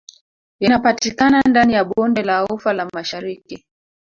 Inapatikana ndani ya Bonde la ufa la Mashariki